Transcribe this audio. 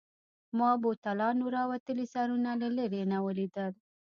ما بوتلانو راوتلي سرونه له لیري نه ولیدل.